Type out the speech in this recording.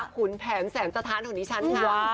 ขุนแผนแสนสถานของดิฉันค่ะ